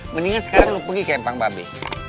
mendingan sekarang lo pergi ke empang mba be